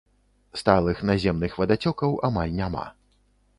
Сталых наземных вадацёкаў амаль няма.